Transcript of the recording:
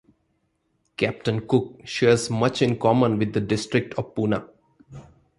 Captain Cook shares much in common with the District of Puna.